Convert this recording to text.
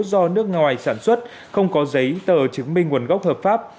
do nước ngoài sản xuất không có giấy tờ chứng minh nguồn gốc hợp pháp